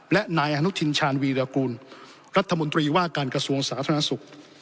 และนายอนุทินชาญวีรกูลรัฐมนตรีว่าการกระทรวงสาธารณสุข